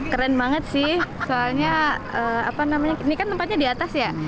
keren banget sih soalnya ini kan tempatnya di atas ya